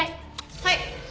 はい。